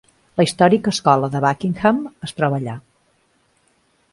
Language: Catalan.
La històrica escola de Buckingham es troba allà.